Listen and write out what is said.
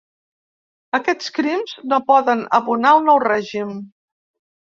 Aquests crims no poden abonar el nou règim.